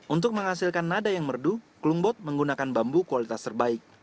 untuk menghasilkan nada yang merdu klumbot menggunakan bambu kualitas terbaik